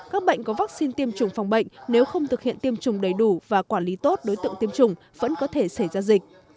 các bệnh có vaccine tiêm chủng phòng bệnh nếu không thực hiện tiêm chủng đầy đủ và quản lý tốt đối tượng tiêm chủng vẫn có thể xảy ra dịch